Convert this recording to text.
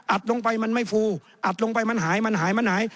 อัดลงไปมันไม่ฟูอัดลงไปมันหาย